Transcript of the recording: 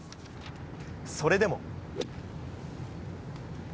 それでも。